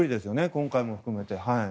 今回も含めて。